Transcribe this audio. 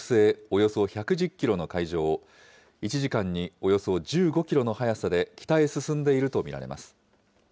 およそ１１０キロの海上を、１時間におよそ１５キロの速さで北へ進んでいると見られます。